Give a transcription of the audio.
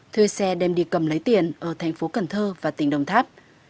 thuê xe đem đi cầm lấy tiền ở thành phố cần thơ và tỉnh đồng tháp